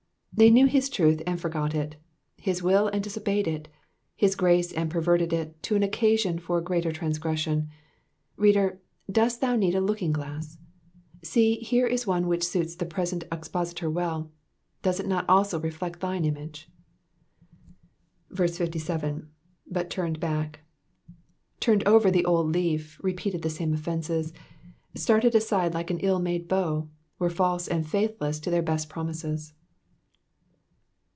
They knew his truth and forgot it, his will and disobeyed it, his grace aud perverted it to an occasion for greater transgression Reader, dost thou need a looking glass ? See here is one which suits the present expositor well ; does it not also reflect thine image ? 57. /?'/^ turned back.''' Turned over the old leaf, repeated the same oflfenees, started aside like an ill made bow, were false and faithless to their best promises.